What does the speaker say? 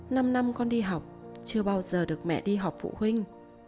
năm năm con đi học chưa bao giờ được mẹ đi học phụ huynh